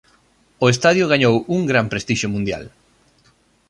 O estadio gañou un gran prestixio mundial.